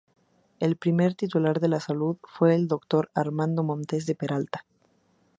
El primer titular de Salud fue el doctor Armando Montes de Peralta.